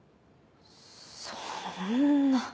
そんな。